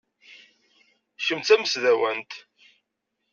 Kemm d tamesdawant.